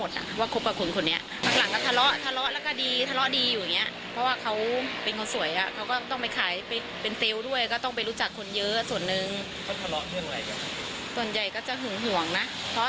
ส่วนใหญ่ก็จะหึงห่วงนะ